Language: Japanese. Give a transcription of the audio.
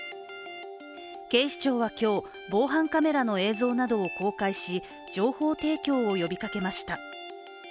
警視庁は今日、防犯カメラの映像などを公開し情報提供を呼びかけました。